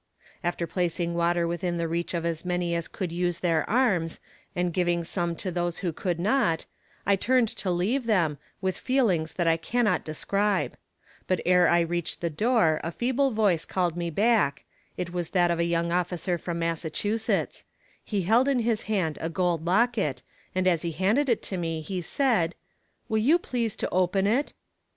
After placing water within the reach of as many as could use their arms, and giving some to those who could not I turned to leave them, with feelings that I cannot describe; but ere I reached the door a feeble voice called me back it was that of a young officer from Massachusetts; he held in his hand a gold locket, and as he handed it to me he said "Will you please to open it?"